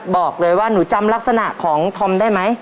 บอกเลยว่าหนูจำลักษณะของธอมได้ไหม